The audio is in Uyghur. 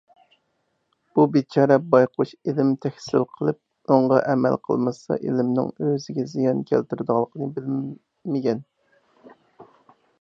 بۇ بىچارە بايقۇش ئىلىم تەھسىل قىلىپ ئۇنىڭغا ئەمەل قىلمىسا ئىلىمنىڭ ئۆزىگە زىيان كەلتۈرىدىغانلىقىنى بىلمىگەن.